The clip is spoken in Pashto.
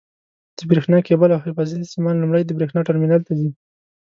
د برېښنا کېبل او حفاظتي سیمان لومړی د برېښنا ټرمینل ته ځي.